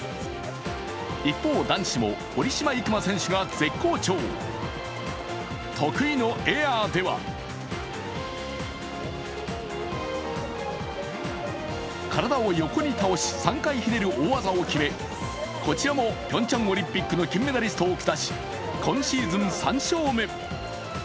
一方、男子も堀島行真選手が絶好調得意のエアでは体を横に倒し３回ひねる大技を決めこちらもピョンチャンオリンピックの金メダリストを下し今シーズン３勝目。